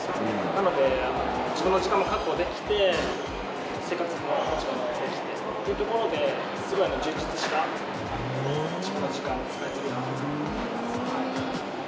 なので自分の時間も確保できて生活費ももちろんできてっていうところですごい充実した自分の時間を使えてるなと思います。